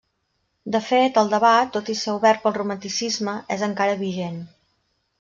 De fet, el debat, tot i ser obert pel romanticisme, és encara vigent.